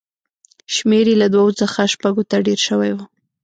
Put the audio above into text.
شمېر یې له دوو څخه شپږو ته ډېر شوی و